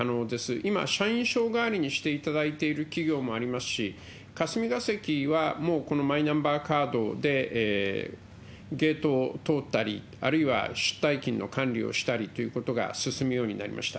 今、社員証代わりにしていただいている企業もありますし、霞が関は、もうこのマイナンバーカードでゲートを通ったり、あるいは出退勤の管理をしたりということが進むようになりました。